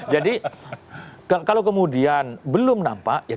jadi kalau kemudian belum nampak ya